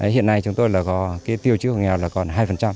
hiện nay chúng tôi có tiêu chí hộ nghèo là còn hai